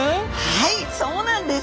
はいそうなんです。